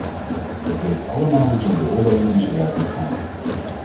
We weten allemaal hoe zo'n beoordeling in zijn werk moet gaan.